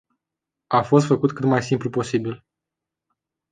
A fost făcut cât mai simplu posibil.